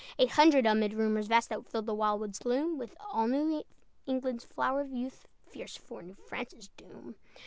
Eight hundred, amid rumors vast That filled the wild wood's gloom, With all New England's flower of youth, Fierce for New France's doom.